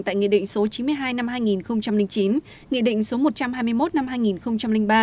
tại nghị định số chín mươi hai năm hai nghìn chín nghị định số một trăm hai mươi một năm hai nghìn ba